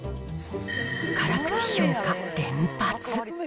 辛口評価連発。